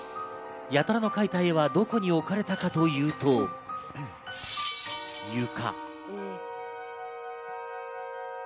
八虎の描いた絵はどこに置かれたかというと、床。